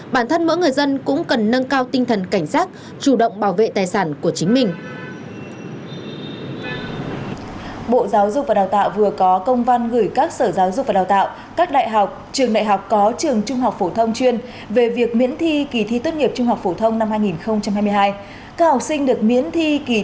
bản thân mỗi người dân cũng cần nâng cao tinh thần cảnh sát chủ động bảo vệ tài sản của chính mình